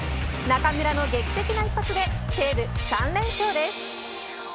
中村の劇的な一発で西武３連勝です。